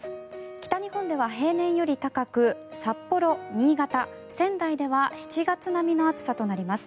北日本では平年より高く札幌、新潟、仙台では７月並みの暑さとなります。